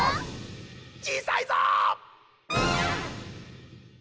ちいさいぞー！